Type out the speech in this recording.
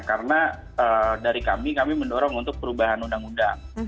karena dari kami kami mendorong untuk perubahan undang undang